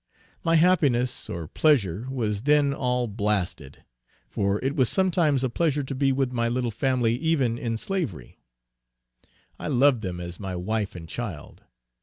My happiness or pleasure was then all blasted; for it was sometimes a pleasure to be with my little family even in slavery. I loved them as my wife and child.